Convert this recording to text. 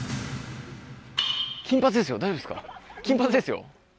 金髪ですよ。